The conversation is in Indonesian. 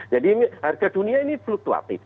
jadi harga dunia ini fluktuatif